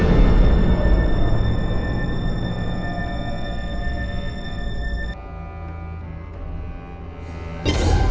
siapa sih korban suara